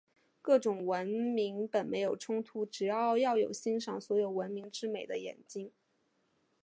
各种文明本没有冲突，只是要有欣赏所有文明之美的眼睛。